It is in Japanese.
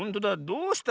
どうした？